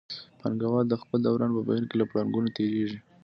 پانګوال د خپل دوران په بهیر کې له پړاوونو تېرېږي